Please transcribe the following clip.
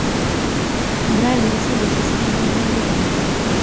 Brian ko chi netos kondoi Nandi komnye